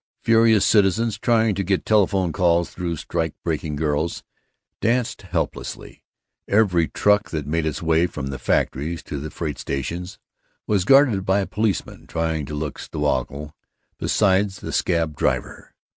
Furious citizens, trying to get telephone calls through strike breaking girls, danced helplessly. Every truck that made its way from the factories to the freight stations was guarded by a policeman, trying to look stoical beside the scab driver.